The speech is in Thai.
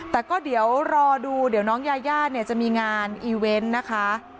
แต่ก็เดี๋ยวรอดูเดี๋ยวน้องยายาเนี่ยจะมีงานอีเวนต์นะคะ